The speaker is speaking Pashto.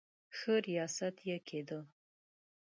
ښه ریاست یې کېدی.